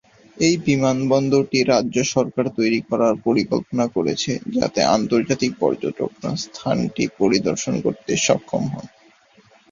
এই বিমানবন্দরটি রাজ্য সরকার তৈরি করার পরিকল্পনা করেছে, যাতে আন্তর্জাতিক পর্যটকরা স্থানটি পরিদর্শন করতে সক্ষম হন।